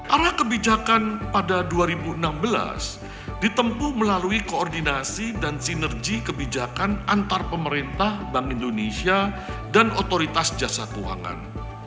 arah kebijakan pada dua ribu enam belas ditempuh melalui koordinasi dan sinergi kebijakan antar pemerintah bank indonesia dan otoritas jasa keuangan